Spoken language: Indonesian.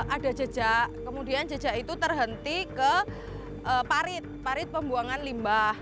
ada jejak kemudian jejak itu terhenti ke parit parit pembuangan limbah